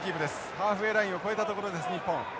ハーフウェイラインを越えたところです日本。